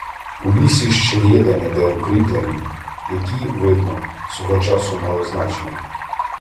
У лісі ще є де-не-де укріплення, які, видно, свого часу мали значення.